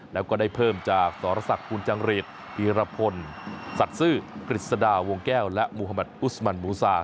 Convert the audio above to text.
แล้วก็ได้เพิ่มจากสรษะภูมิจังเรศหิระพลสัตซึคริสตาวงแก้วและมุฮมัธอุสมันมูซา